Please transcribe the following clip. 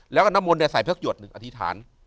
แล้วก็น้ำมนต์ใส่เพศกหยดอธิฐาน